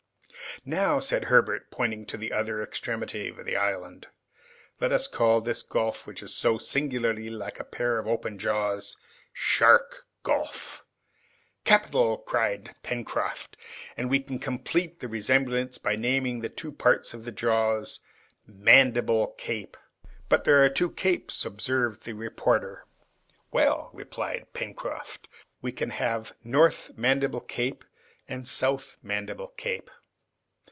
"Now," said Herbert, pointing to the other extremity of the island, "let us call this gulf which is so singularly like a pair of open jaws, Shark Gulf." "Capital!" cried Pencroft, "and we can complete the resemblance by naming the two parts of the jaws Mandible Cape." "But there are two capes," observed the reporter. "Well," replied Pencroft, "we can have North Mandible Cape and South Mandible Cape."